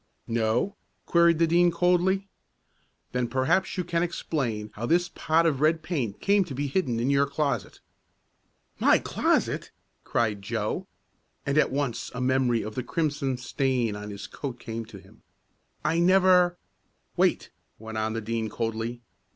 "No?" queried the Dean coldly. "Then perhaps you can explain how this pot of red paint came to be hidden in your closet." "My closet!" cried Joe, and at once a memory of the crimson stain on his coat came to him. "I never " "Wait," went on the Dean coldly.